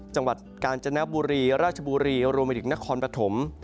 จังหวัดกาญจนบุรีราชบุรีรวมไปถึงนครปฐม